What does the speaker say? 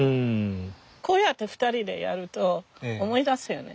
こうやって２人でやると思い出すよね。